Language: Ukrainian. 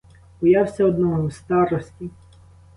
Боявся одного — старості.